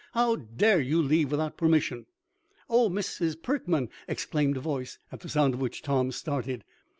How dare you leave without permission?" "Oh, Miss Perkman!" exclaimed a voice, at the sound of which Tom started.